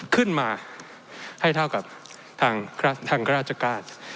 ขึ้นมาให้เท่ากับทางราชการ